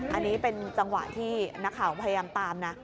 อันนี้เป็นจังหวะที่นักข่าวพยายามตามนะ